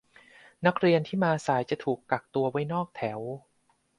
นักเรียนที่มาสายจะถูกกันตัวไว้นอกแถว